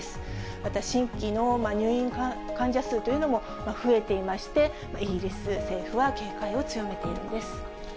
また新規の入院患者数というのも増えていまして、イギリス政府は警戒を強めているんです。